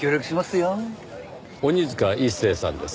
鬼塚一誠さんです。